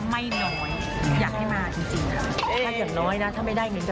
พี่อยากเอาอะไรมาจำนำบ้างคะ